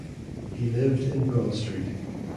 He lived in Broad Street.